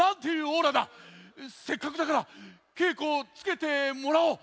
せっかくだからけいこをつけてもらおう！